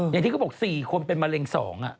อย่างที่เขาบอก๔คนเป็นมะเร็ง๒